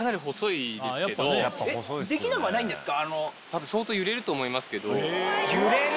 えっできなくはないんですか？